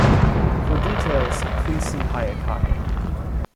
For details, please see Hayakaken.